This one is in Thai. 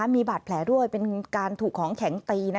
มีบาดแผลด้วยเป็นการถูกของแข็งตี